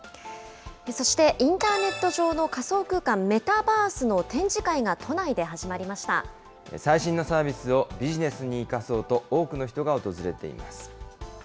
そして、インターネット上の仮想空間、メタバースの展示会が最新のサービスをビジネスに生かそうと、多くの人が訪れています。